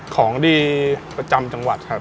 ของดีประจำจังหวัดครับ